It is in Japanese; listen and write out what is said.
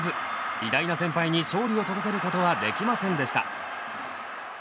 偉大な先輩に勝利を届けることはできませんでした。